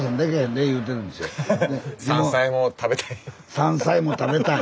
山菜も食べたい。